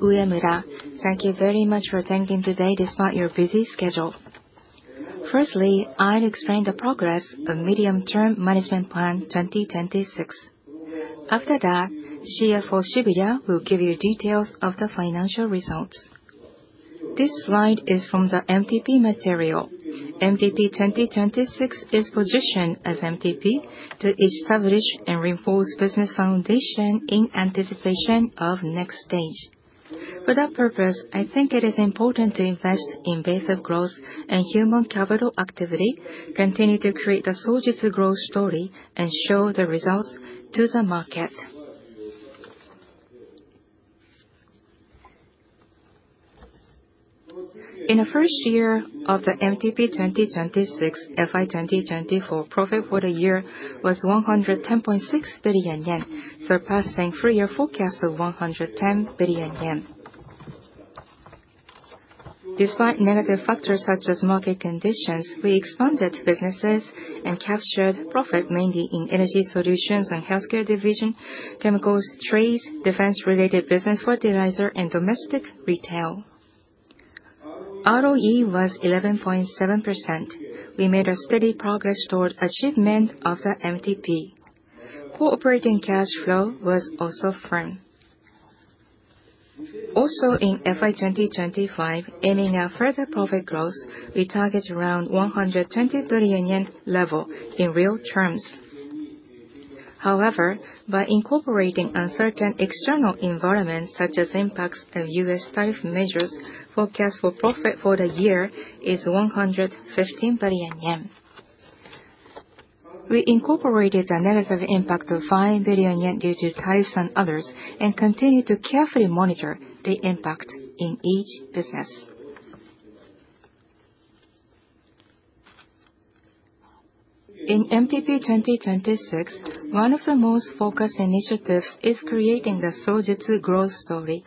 I'm Uemura. Thank you very much for attending today despite your busy schedule. Firstly, I'll explain the progress of the Medium-Term Management Plan 2026. After that, CFO Shibuya will give you details of the financial results. This slide is from the MTP material. MTP 2026 is positioned as MTP to establish and reinforce business foundation in anticipation of next stage. For that purpose, I think it is important to invest in base of growth and human capital activity, continue to create the Sojitz growth story, and show the results to the market. In the first year of the MTP 2026 FY 2024, profit for the year was 110.6 billion yen, surpassing three-year forecast of 110 billion yen. Despite negative factors such as market conditions, we expanded businesses and captured profit mainly in energy solutions and healthcare division, chemicals, trades, defense-related business fertilizer, and domestic retail. ROE was 11.7%. We made steady progress toward achievement of the MTP. Operating cash flow was also firm. Also, in fiscal year 2025, aiming at further profit growth, we target around 120 billion yen level in real terms. However, by incorporating uncertain external environments such as impacts of U.S. tariff measures, forecast for profit for the year is 115 billion yen. We incorporated the negative impact of 5 billion yen due to tariffs and others, and continue to carefully monitor the impact in each business. In MTP 2026, one of the most focused initiatives is creating the Sojitz growth story.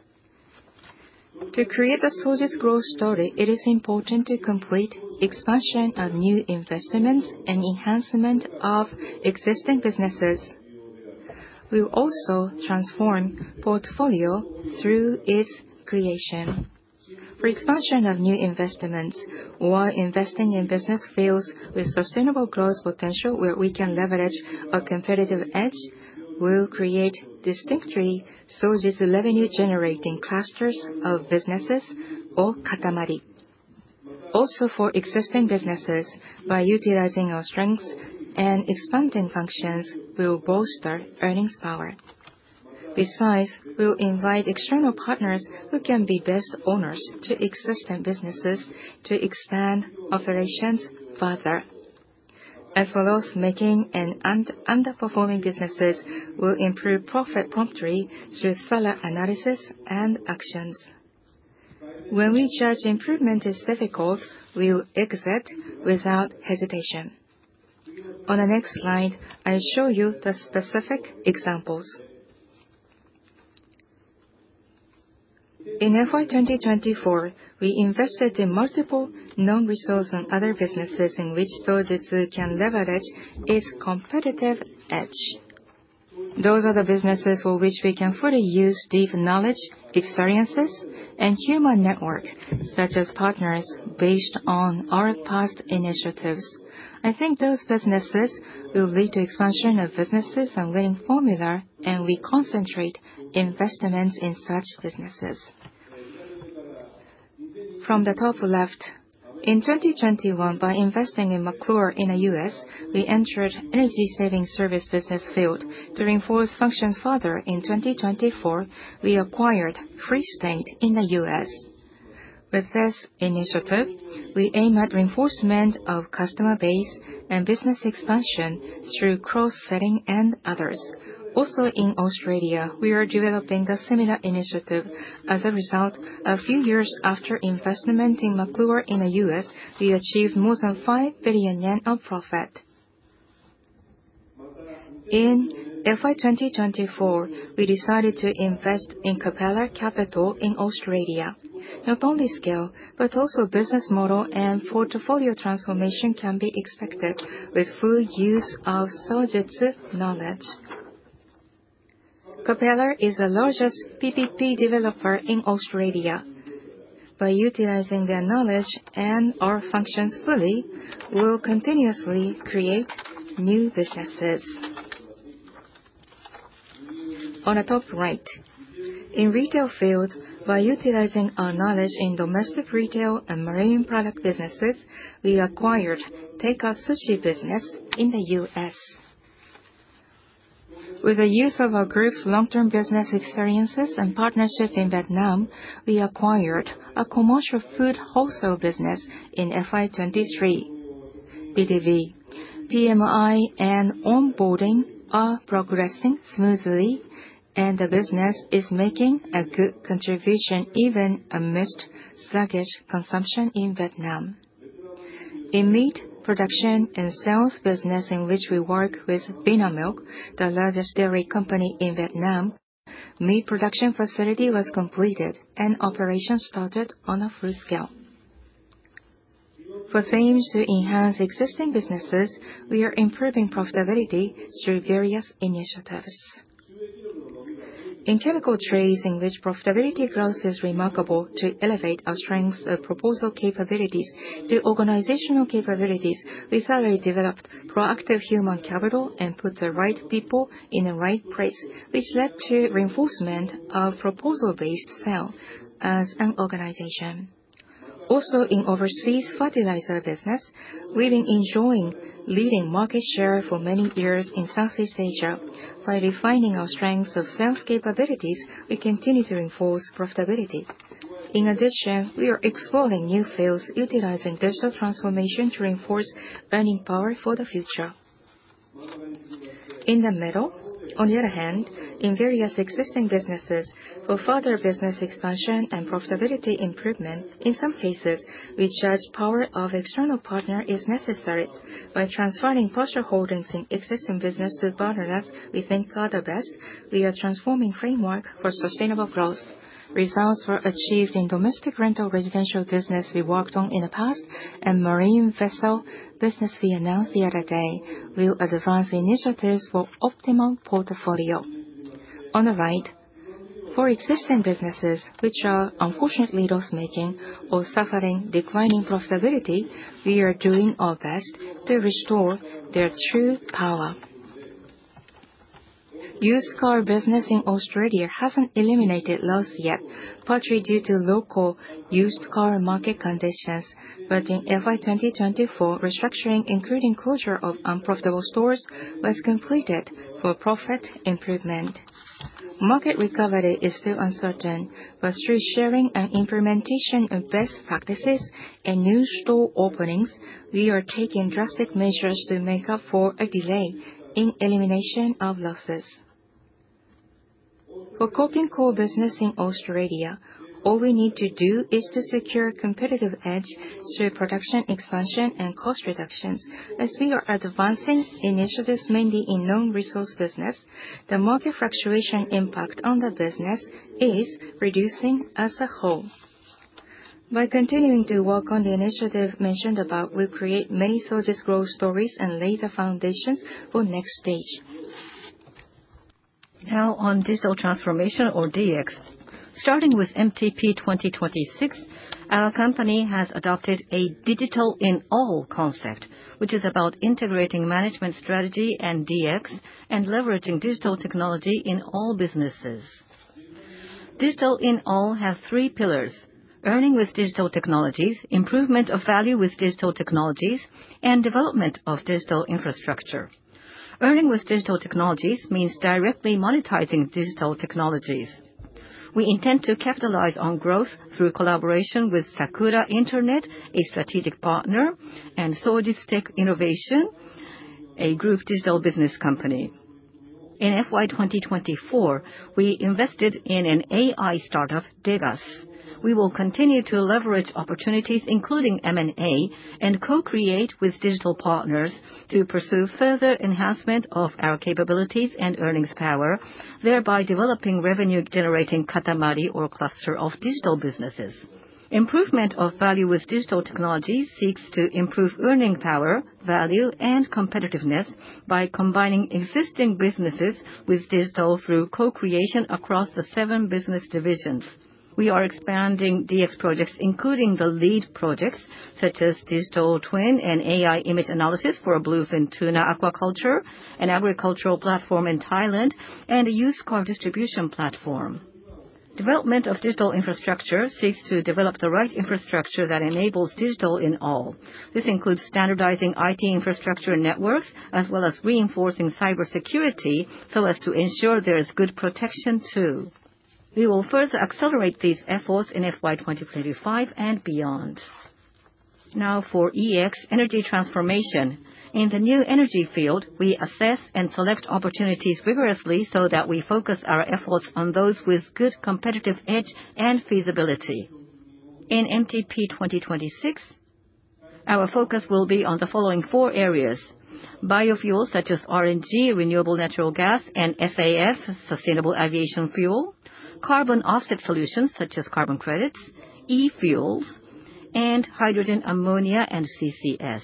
To create the Sojitz growth story, it is important to complete expansion of new investments and enhancement of existing businesses. We will also transform portfolio through its creation. For expansion of new investments, while investing in business fields with sustainable growth potential where we can leverage a competitive edge, we'll create distinctly Sojitz revenue-generating clusters of businesses or Katamari. Also, for existing businesses, by utilizing our strengths and expanding functions, we will bolster earnings power. Besides, we will invite external partners who can be best owners to existing businesses to expand operations further. As well as making and underperforming businesses, we'll improve profit promptly through further analysis and actions. When we judge improvement is difficult, we will exit without hesitation. On the next slide, I'll show you the specific examples. In FY 2024, we invested in multiple non-resource and other businesses in which Sojitz can leverage its competitive edge. Those are the businesses for which we can fully use deep knowledge, experiences, and human network such as partners based on our past initiatives. I think those businesses will lead to expansion of businesses and winning formula, and we concentrate investments in such businesses. From the top left, in 2021, by investing in McClure in the U.S., we entered energy-saving service business field. To reinforce functions further, in 2024, we acquired Freestate in the U.S. With this initiative, we aim at reinforcement of customer base and business expansion through cross-selling and others. Also, in Australia, we are developing a similar initiative. As a result, a few years after investment in McClure in the U.S., we achieved more than 5 billion yen of profit. In FY 2024, we decided to invest in Capella Capital in Australia. Not only scale, but also business model and portfolio transformation can be expected with full use of Sojitz knowledge. Capella is the largest PPP developer in Australia. By utilizing their knowledge and our functions fully, we'll continuously create new businesses. On the top right, in the retail field, by utilizing our knowledge in domestic retail and marine product businesses, we acquired takeout sushi business in the U.S. With the use of our group's long-term business experiences and partnership in Vietnam, we acquired a commercial food wholesale business in FY 2023. PMI, and onboarding are progressing smoothly, and the business is making a good contribution even amidst sluggish consumption in Vietnam. In meat production and sales business, in which we work with Vinamilk, the largest dairy company in Vietnam, the meat production facility was completed and operations started on a full scale. For things to enhance existing businesses, we are improving profitability through various initiatives. In chemical trades, in which profitability growth is remarkable, to elevate our strengths of proposal capabilities to organizational capabilities, we steadily developed proactive human capital and put the right people in the right place, which led to reinforcement of proposal-based sale as an organization. Also, in overseas fertilizer business, we've been enjoying leading market share for many years in Southeast Asia. By refining our strengths of sales capabilities, we continue to reinforce profitability. In addition, we are exploring new fields utilizing digital transformation to reinforce earning power for the future. In the middle, on the other hand, in various existing businesses, for further business expansion and profitability improvement, in some cases, we judge power of external partner is necessary. By transforming partial holdings in existing business to partners we think are the best, we are transforming framework for sustainable growth. Results were achieved in domestic rental residential business we worked on in the past and marine vessel business we announced the other day. We'll advance initiatives for optimal portfolio. On the right, for existing businesses, which are unfortunately loss-making or suffering declining profitability, we are doing our best to restore their true power. Used car business in Australia hasn't eliminated loss yet, partly due to local used car market conditions, but in FY 2024, restructuring, including closure of unprofitable stores, was completed for profit improvement. Market recovery is still uncertain, but through sharing and implementation of best practices and new store openings, we are taking drastic measures to make up for a delay in elimination of losses. For coking coal business in Australia, all we need to do is to secure a competitive edge through production expansion and cost reductions. As we are advancing initiatives mainly in non-resource business, the market fluctuation impact on the business is reducing as a whole. By continuing to work on the initiative mentioned above, we create many Sojitz growth stories and lay the foundations for next stage. Now, on digital transformation or DX, starting with MTP 2026, our company has adopted a digital-in-all concept, which is about integrating management strategy and DX and leveraging digital technology in all businesses. Digital-in-all has three pillars: earning with digital technologies, improvement of value with digital technologies, and development of digital infrastructure. Earning with digital technologies means directly monetizing digital technologies. We intend to capitalize on growth through collaboration with SAKURA internet, a strategic partner, and Sojitz-Tech Innovation, a group digital business company. In FY 2024, we invested in an AI startup, Degas. We will continue to leverage opportunities, including M&A, and co-create with digital partners to pursue further enhancement of our capabilities and earnings power, thereby developing revenue-generating Katamari or cluster of digital businesses. Improvement of value with digital technologies seeks to improve earning power, value, and competitiveness by combining existing businesses with digital through co-creation across the seven business divisions. We are expanding DX projects, including the lead projects such as digital twin and AI image analysis for a bluefin tuna aquaculture, an agricultural platform in Thailand, and a used car distribution platform. Development of digital infrastructure seeks to develop the right infrastructure that enables digital-in-all. This includes standardizing IT infrastructure and networks, as well as reinforcing cybersecurity so as to ensure there is good protection too. We will further accelerate these efforts in FY 2025 and beyond. Now, for EX, energy transformation. In the new energy field, we assess and select opportunities rigorously so that we focus our efforts on those with good competitive edge and feasibility. In MTP 2026, our focus will be on the following four areas: biofuels such as RNG, Renewable Natural Gas, and SAF, Sustainable Aviation Fuel, carbon offset solutions such as carbon credits, e-fuels, and hydrogen, ammonia and CCS.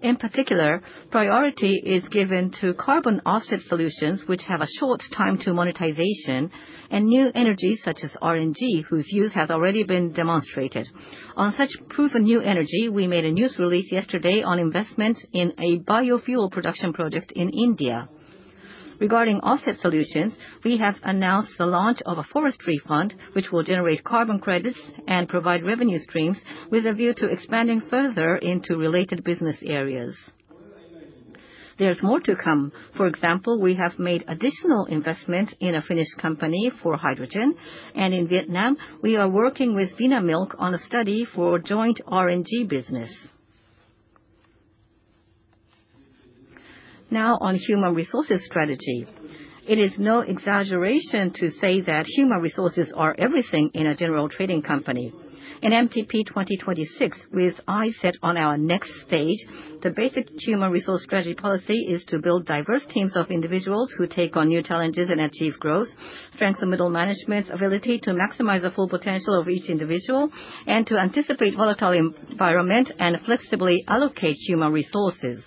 In particular, priority is given to carbon offset solutions, which have a short time to monetization, and new energies such as RNG, whose use has already been demonstrated. On such proof of new energy, we made a news release yesterday on investment in a biofuel production project in India. Regarding offset solutions, we have announced the launch of a forestry fund, which will generate carbon credits and provide revenue streams with a view to expanding further into related business areas. There's more to come. For example, we have made additional investment in a Finnish company for hydrogen, and in Vietnam, we are working with Vinamilk on a study for joint RNG business. Now, on human resources strategy. It is no exaggeration to say that human resources are everything in a general trading company. In MTP 2026, with eyes set on our Next Stage, the basic human resource strategy policy is to build diverse teams of individuals who take on new challenges and achieve growth, strengthen middle management's ability to maximize the full potential of each individual, and to anticipate volatile environment and flexibly allocate human resources.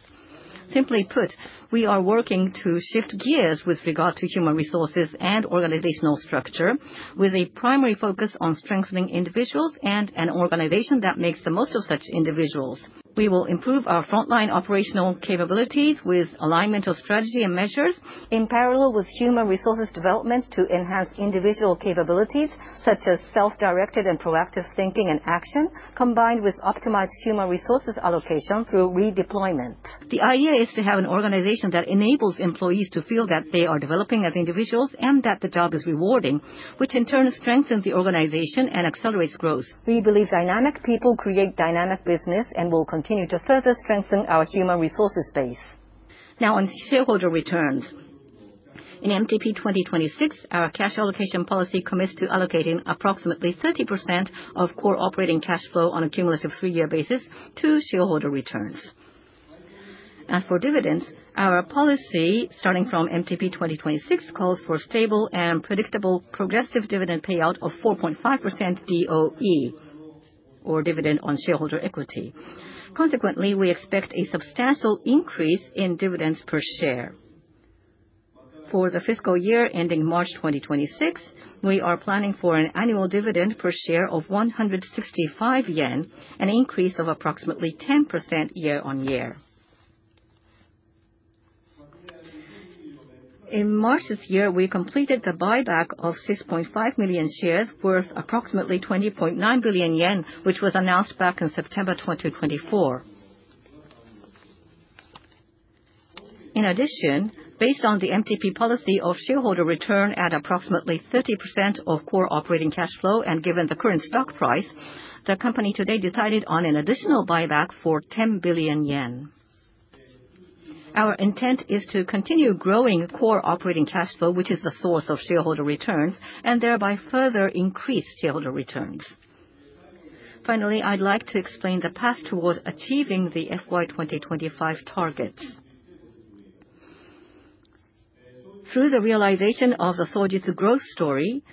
Simply put, we are working to shift gears with regard to human resources and organizational structure, with a primary focus on strengthening individuals and an organization that makes the most of such individuals. We will improve our frontline operational capabilities with alignment of strategy and measures in parallel with human resources development to enhance individual capabilities such as self-directed and proactive thinking and action, combined with optimized human resources allocation through redeployment. The idea is to have an organization that enables employees to feel that they are developing as individuals and that the job is rewarding, which in turn strengthens the organization and accelerates growth. We believe dynamic people create dynamic business and will continue to further strengthen our human resources base. Now, on shareholder returns. In MTP 2026, our cash allocation policy commits to allocating approximately 30% of core operating cash flow on a cumulative three-year basis to shareholder returns. As for dividends, our policy starting from MTP 2026 calls for stable and predictable progressive dividend payout of 4.5% DOE, or dividend on shareholder equity. Consequently, we expect a substantial increase in dividends per share. For the fiscal year ending March 2026, we are planning for an annual dividend per share of 165 yen, an increase of approximately 10% year on year. In March this year, we completed the buyback of 6.5 million shares worth approximately 20.9 billion yen, which was announced back in September 2024. In addition, based on the MTP policy of Shareholder Return at approximately 30% of core operating cash flow and given the current stock price, the company today decided on an additional buyback for 10 billion yen. Our intent is to continue growing core operating cash flow, which is the source of shareholder returns, and thereby further increase shareholder returns. Finally, I'd like to explain the path towards achieving the FY 2025 targets. Through the realization of the Sojitz growth story,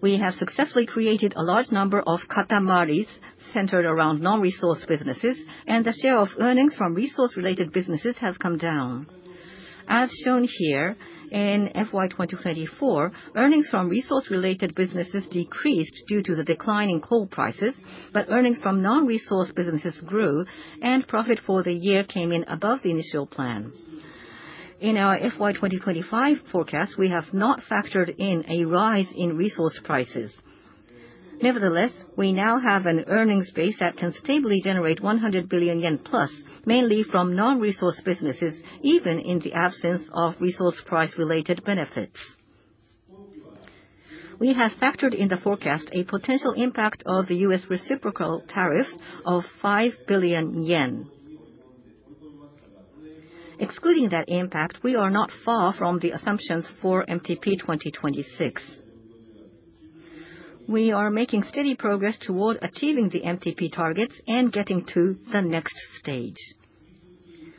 we have successfully created a large number of Katamari centered around non-resource businesses, and the share of earnings from resource-related businesses has come down. As shown here, in FY 2024, earnings from resource-related businesses decreased due to the decline in coal prices, but earnings from non-resource businesses grew, and profit for the year came in above the initial plan. In our FY 2025 forecast, we have not factored in a rise in resource prices. Nevertheless, we now have an earnings base that can stably generate 100 billion yen+, mainly from non-resource businesses, even in the absence of resource price-related benefits. We have factored in the forecast a potential impact of the U.S. reciprocal tariffs of 5 billion yen. Excluding that impact, we are not far from the assumptions for MTP 2026. We are making steady progress toward achieving the MTP targets and getting to the Next Stage.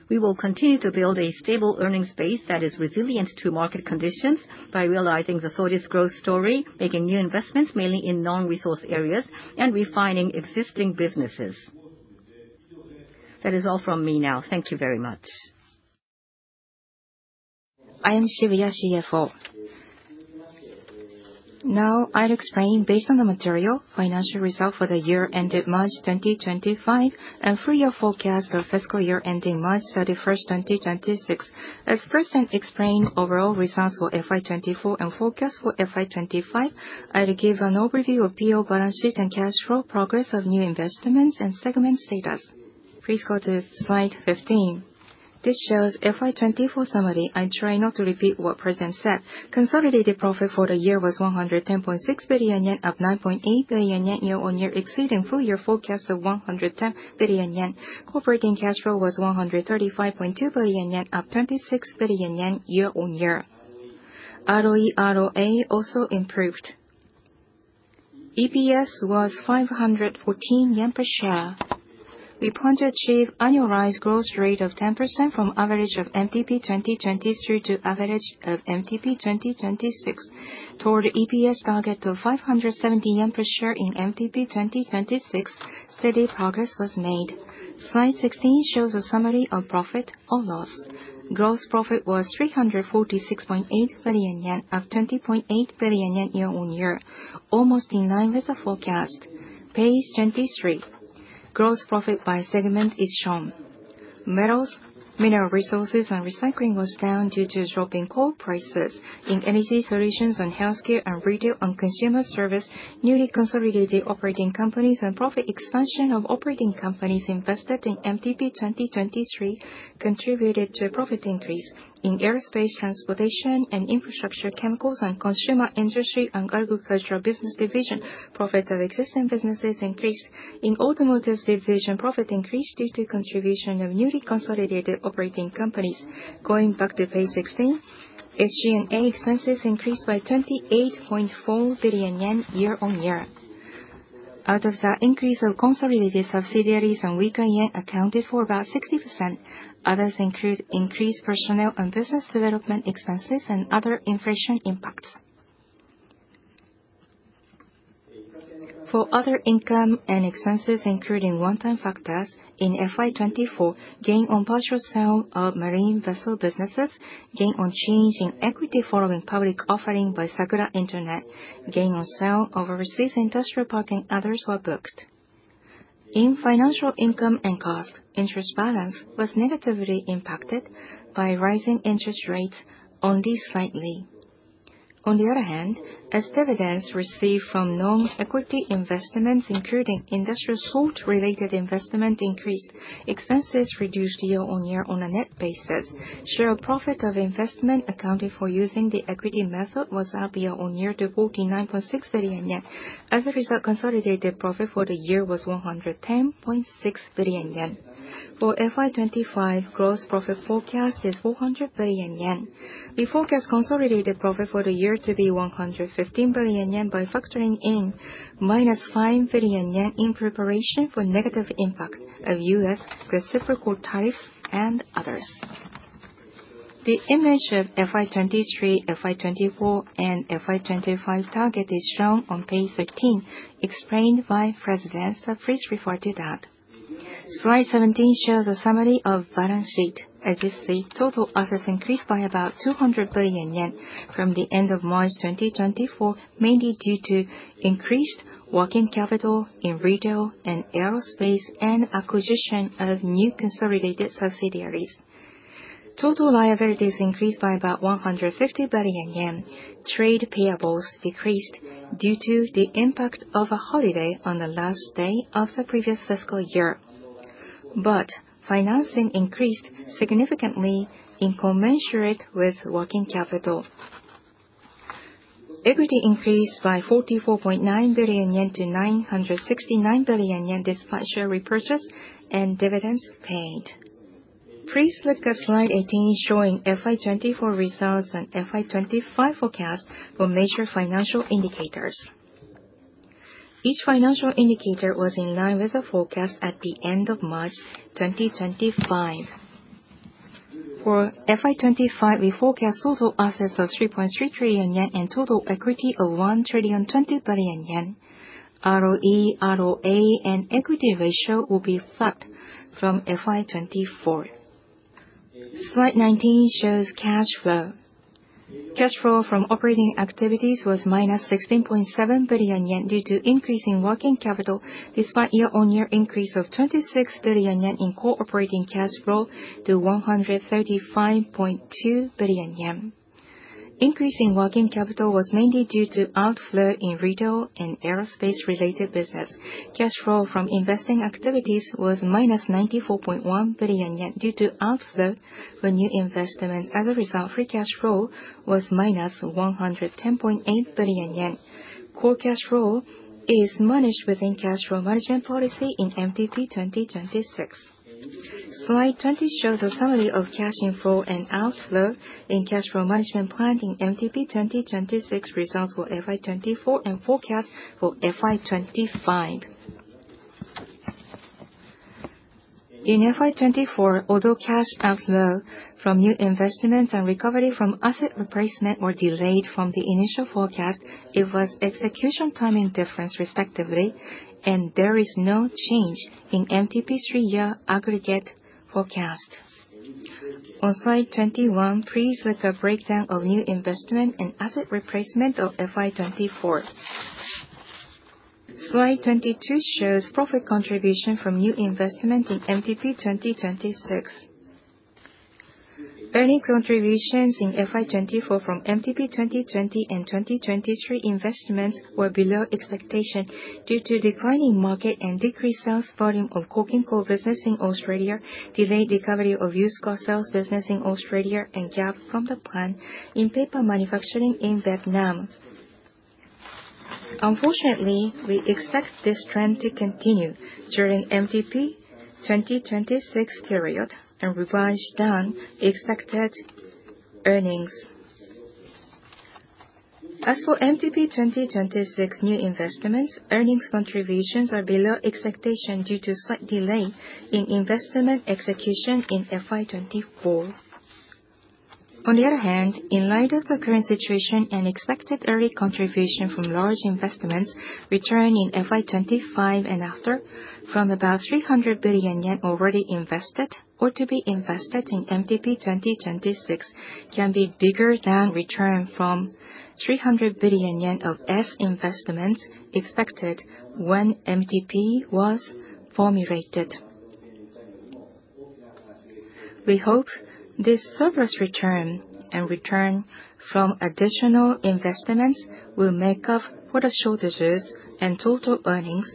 We will continue to build a stable earnings base that is resilient to market conditions by realizing the Sojitz Growth Story, making new investments mainly in non-resource areas, and refining existing businesses. That is all from me now. Thank you very much. I am Shibuya CFO. Now, I'll explain, based on the material, financial results for the year ended March 2025 and three-year forecast of fiscal year ending March 31, 2026. As President explained overall results for FY 2024 and forecast for FY 2025, I'll give an overview of PL, balance sheet and cash flow, progress of new investments, and segment status. Please go to slide 15. This shows FY 2024 summary. I try not to repeat what President said. Consolidated profit for the year was 110.6 billion yen, up 9.8 billion yen year-on-year, exceeding full-year forecast of 110 billion yen. Operating cash flow was 135.2 billion yen, up 26 billion yen year-on-year. ROE/ROA also improved. EPS was 514 yen per share. We plan to achieve annualized growth rate of 10% from average of MTP 2023 to average of MTP 2026. Toward EPS target of 570 yen per share in MTP 2026, steady progress was made. Slide 16 shows a summary of profit or loss. Gross profit was 346.8 billion yen, up 20.8 billion yen year-on-year, almost in line with the forecast. Page 23. Gross profit by segment is shown. Metals, mineral resources, and recycling was down due to dropping coal prices. In energy solutions and healthcare and retail and consumer service, newly consolidated operating companies and profit expansion of operating companies invested in MTP 2023 contributed to profit increase. In aerospace, transportation, and infrastructure, chemicals and consumer industry, and agricultural business division, profit of existing businesses increased. In automotive division, profit increased due to contribution of newly consolidated operating companies. Going back to page 16, SG&A expenses increased by 28.4 billion yen year-on-year. Out of that increase, consolidated subsidiaries and weaker yen accounted for about 60%. Others include increased personnel and business development expenses and other inflation impacts. For other income and expenses, including one-time factors in fiscal year 2024, gain on partial sale of marine vessel businesses, gain on change in equity following public offering by Sakura Internet, gain on sale of overseas industrial park and others were booked. In financial income and cost, interest balance was negatively impacted by rising interest rates only slightly. On the other hand, as dividends received from non-equity investments, including industrial salt-related investment, increased, expenses reduced year-on-year on a net basis. Share of profit of investment accounted for using the equity method was up year-on-year to 49.6 billion yen. As a result, consolidated profit for the year was 110.6 billion yen. For fiscal year 2025, gross profit forecast is 400 billion yen. We forecast consolidated profit for the year to be 115 billion yen by factoring in minus 5 billion yen in preparation for negative impact of U.S. reciprocal tariffs and others. The image of fiscal year 2023, fiscal year 2024, and fiscal year 2025 target is shown on page 13, explained by President. Sojitz referred to that. Slide 17 shows a summary of balance sheet. As you see, total assets increased by about 200 billion yen from the end of March 2024, mainly due to increased working capital in retail and aerospace and acquisition of new consolidated subsidiaries. Total liabilities increased by about 150 billion yen. Trade payables decreased due to the impact of a holiday on the last day of the previous fiscal year. Financing increased significantly in commensurate with working capital. Equity increased by 44.9 billion yen to 969 billion yen despite share repurchase and dividends paid. Please look at slide 18 showing FY 2024 results and FY 2025 forecast for major financial indicators. Each financial indicator was in line with the forecast at the end of March 2025. For FY 2025, we forecast total assets of 3.3 trillion yen and total equity of 1 trillion 20 billion. ROE, ROA, and equity ratio will be flat from FY 2024. Slide 19 shows cash flow. Cash flow from operating activities was minus 16.7 billion yen due to increasing working capital despite year-on-year increase of 26 billion yen in core operating cash flow to 135.2 billion yen. Increasing working capital was mainly due to outflow in retail and aerospace-related business. Cash flow from investing activities was 94.1 billion yen- due to outflow for new investments. As a result, Free Cash Flow was 110.8 billion yen-. Core cash flow is managed within cash flow management policy in MTP 2026. Slide 20 shows a summary of cash inflow and outflow in cash flow management plan in MTP 2026 results for FY 2024 and forecast for FY 2025. In FY 2024, although cash outflow from new investments and recovery from asset replacement were delayed from the initial forecast, it was execution timing difference respectively, and there is no change in MTP three-year aggregate forecast. On slide 21, please look at breakdown of new investment and asset replacement of FY 2024. Slide 22 shows profit contribution from new investment in MTP 2026. Earning contributions in FY 2024 from MTP 2020 and 2023 investments were below expectation due to declining market and decreased sales volume of coking coal business in Australia, delayed recovery of used car sales business in Australia, and gap from the plan in paper manufacturing in Vietnam. Unfortunately, we expect this trend to continue during MTP 2026 period and revise down expected earnings. As for MTP 2026 new investments, earnings contributions are below expectation due to slight delay in investment execution in FY 2024. On the other hand, in light of the current situation and expected early contribution from large investments return in FY 2025 and after from about 300 billion yen already invested or to be invested in MTP 2026 can be bigger than return from 300 billion yen of investments expected when MTP was formulated. We hope this surplus return and return from additional investments will make up for the shortages and total earnings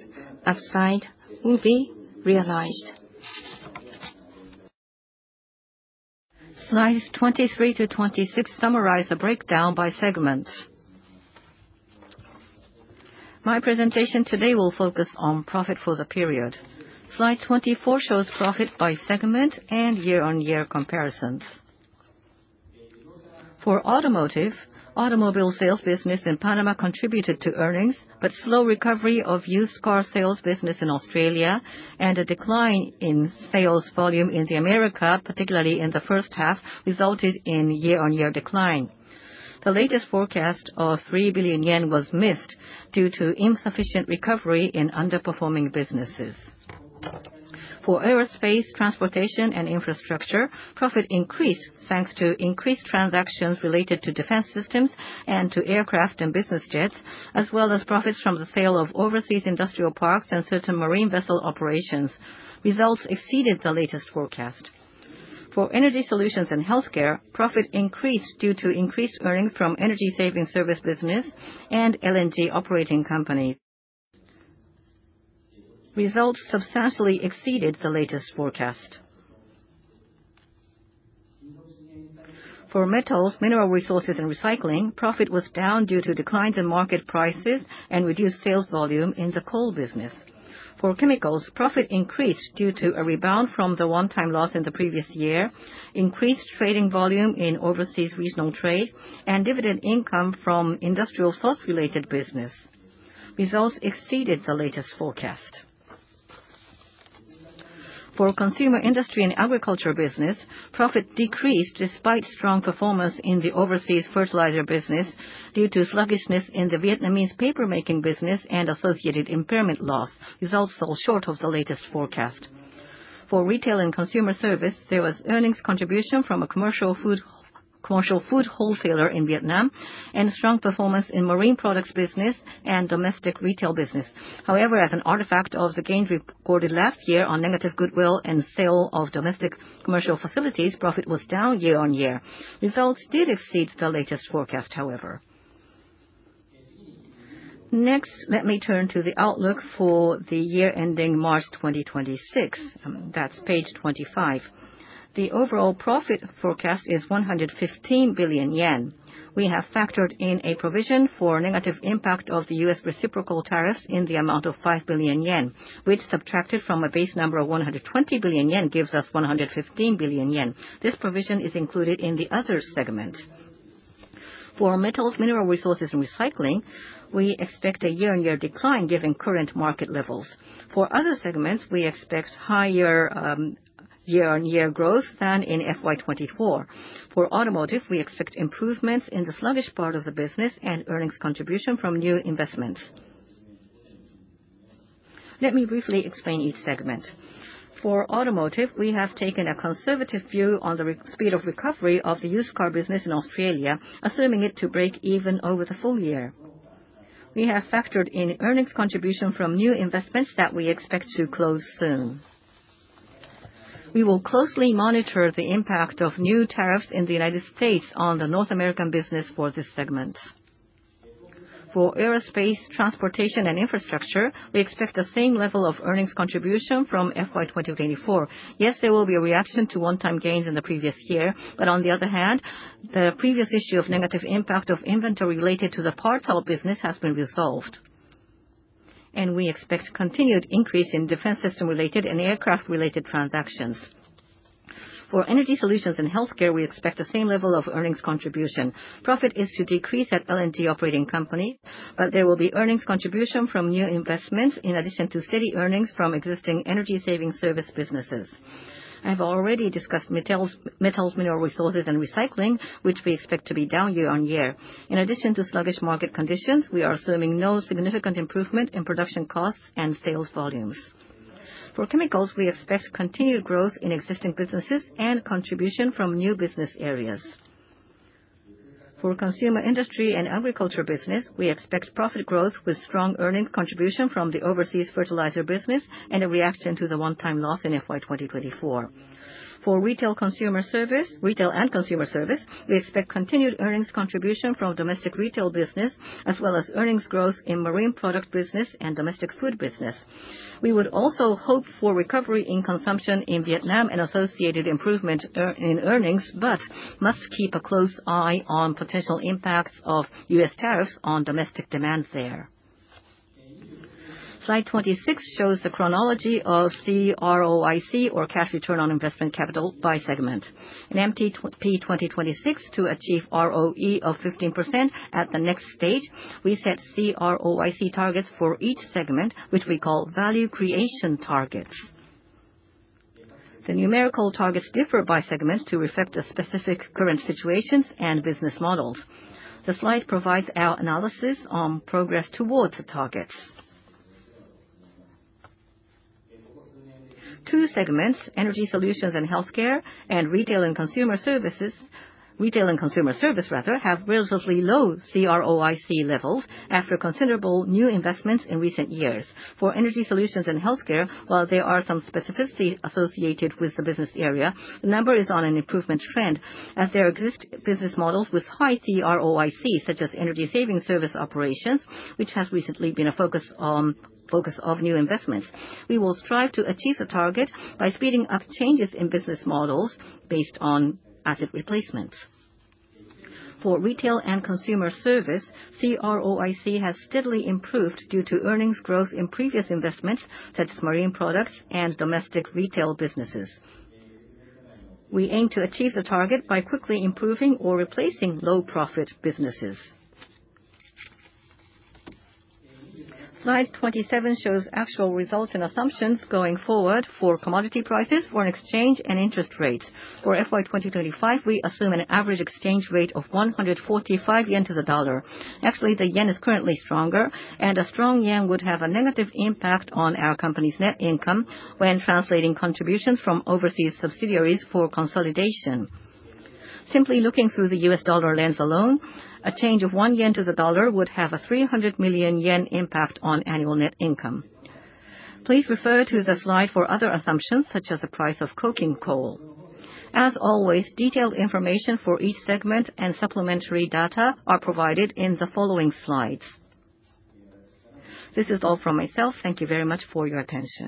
outside will be realized. Slides 23 to 26 summarize a breakdown by segments. My presentation today will focus on profit for the period. Slide 24 shows profit by segment and year-on-year comparisons. For automotive, automobile sales business in Panama contributed to earnings, but slow recovery of used car sales business in Australia and a decline in sales volume in the U.S., particularly in the first half, resulted in year-on-year decline. The latest forecast of 3 billion yen was missed due to insufficient recovery in underperforming businesses. For aerospace, transportation, and infrastructure, profit increased thanks to increased transactions related to defense systems and to aircraft and business jets, as well as profits from the sale of overseas industrial parks and certain marine vessel operations. Results exceeded the latest forecast. For energy solutions and healthcare, profit increased due to increased earnings from energy saving service business and LNG operating company. Results substantially exceeded the latest forecast. For metals, mineral resources, and recycling, profit was down due to declines in market prices and reduced sales volume in the coal business. For chemicals, profit increased due to a rebound from the one-time loss in the previous year, increased trading volume in overseas regional trade, and dividend income from industrial salt-related business. Results exceeded the latest forecast. For consumer industry and agriculture business, profit decreased despite strong performance in the overseas fertilizer business due to sluggishness in the Vietnamese papermaking business and associated impairment loss. Results fell short of the latest forecast. For retail and consumer service, there was earnings contribution from a commercial food wholesaler in Vietnam and strong performance in marine products business and domestic retail business. However, as an artifact of the gain recorded last year on negative goodwill and sale of domestic commercial facilities, profit was down year-on-year. Results did exceed the latest forecast, however. Next, let me turn to the outlook for the year ending March 2026. That is page 25. The overall profit forecast is 115 billion yen. We have factored in a provision for negative impact of the U.S. reciprocal tariffs in the amount of 5 billion yen, which subtracted from a base number of 120 billion yen gives us 115 billion yen. This provision is included in the other segment. For metals, mineral resources, and recycling, we expect a year-on-year decline given current market levels. For other segments, we expect higher year-on-year growth than in FY 2024. For automotive, we expect improvements in the sluggish part of the business and earnings contribution from new investments. Let me briefly explain each segment. For automotive, we have taken a conservative view on the speed of recovery of the used car business in Australia, assuming it to break even over the full year. We have factored in earnings contribution from new investments that we expect to close soon. We will closely monitor the impact of new tariffs in the United States on the North American business for this segment. For aerospace, transportation, and infrastructure, we expect the same level of earnings contribution from FY 2024. Yes, there will be a reaction to one-time gains in the previous year. On the other hand, the previous issue of negative impact of inventory related to the parts of business has been resolved. We expect continued increase in defense system-related and aircraft-related transactions. For energy solutions and healthcare, we expect the same level of earnings contribution. Profit is to decrease at LNG operating company, but there will be earnings contribution from new investments in addition to steady earnings from existing energy saving service businesses. I have already discussed metals, mineral resources, and recycling, which we expect to be down year-on-year. In addition to sluggish market conditions, we are assuming no significant improvement in production costs and sales volumes. For chemicals, we expect continued growth in existing businesses and contribution from new business areas. For consumer industry and agriculture business, we expect profit growth with strong earnings contribution from the overseas fertilizer business and a reaction to the one-time loss in FY 2024. For retail and consumer service, we expect continued earnings contribution from domestic retail business, as well as earnings growth in marine product business and domestic food business. We would also hope for recovery in consumption in Vietnam and associated improvement in earnings, but must keep a close eye on potential impacts of U.S. tariffs on domestic demand there. Slide 26 shows the chronology of CROIC, or cash return on investment capital, by segment. In MTP 2026, to achieve ROE of 15% at the next stage, we set CROIC targets for each segment, which we call value creation targets. The numerical targets differ by segment to reflect the specific current situations and business models. The slide provides our analysis on progress towards the targets. Two segments, energy solutions and healthcare and retail and consumer services, retail and consumer service rather, have relatively low CROIC levels after considerable new investments in recent years. For energy solutions and healthcare, while there are some specificity associated with the business area, the number is on an improvement trend as there exist business models with high CROIC, such as energy saving service operations, which has recently been a focus of new investments. We will strive to achieve the target by speeding up changes in business models based on asset replacements. For retail and consumer service, CROIC has steadily improved due to earnings growth in previous investments, such as marine products and domestic retail businesses. We aim to achieve the target by quickly improving or replacing low-profit businesses. Slide 27 shows actual results and assumptions going forward for commodity prices, foreign exchange, and interest rates. For FY 2025, we assume an average exchange rate of 145 yen to the dollar. Actually, the yen is currently stronger, and a strong yen would have a negative impact on our company's net income when translating contributions from overseas subsidiaries for consolidation. Simply looking through the U.S. dollar lens alone, a change of 1 yen to the dollar would have a 300 million yen impact on annual net income. Please refer to the slide for other assumptions, such as the price of coking coal. As always, detailed information for each segment and supplementary data are provided in the following slides. This is all from myself. Thank you very much for your attention.